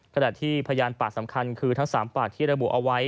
ขณะที่พยานปากสำคัญคือทั้ง๓ปากที่ระบุเอาไว้